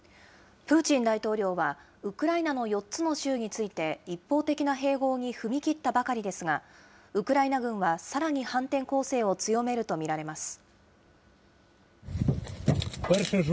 プーチン大統領はウクライナの４つの州について一方的な併合に踏み切ったばかりですが、ウクライナ軍はさらに反転攻勢を強めると見られます。